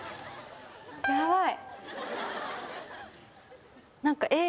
やばい